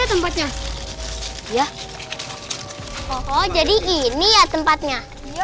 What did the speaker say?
tempatnya ya oh jadi ini ya tempatnya